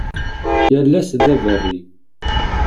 Yal ass d aberri.